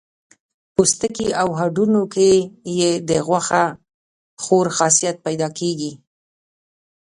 پوستکي او هډونو کې یې د غوښه خور خاصیت پیدا کېږي.